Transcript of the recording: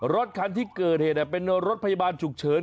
รถคันที่เกิดเหตุเป็นรถพยาบาลฉุกเฉิน